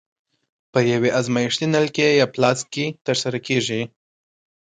په یوې ازمایښتي نلکې یا فلاسک کې ترسره کیږي.